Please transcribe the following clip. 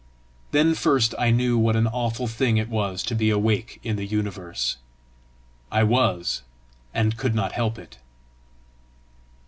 Then first I knew what an awful thing it was to be awake in the universe: I WAS, and could not help it!